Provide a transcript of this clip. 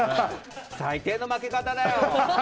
最低の負け方だよ！